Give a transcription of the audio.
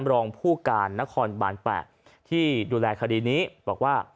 รองผู้การนครบาน๘ที่ดูแลคดีนี้บอกว่า